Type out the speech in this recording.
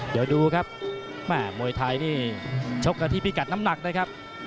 เดี๋ยวดูครับแม่มวยไทยนี่ชกกันที่พิกัดน้ำหนักนะครับ